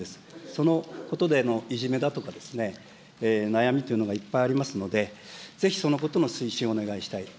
そのことでのいじめだとか、悩みというものがいっぱいありますので、ぜひそのことの推進をお願いしたい。